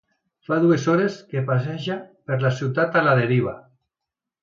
Fa dues hores que passeja per la ciutat a la deriva.